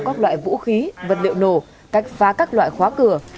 các loại vũ khí vật liệu nổ cách phá các loại khóa cửa